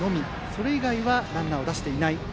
それ以外はランナーを出していない。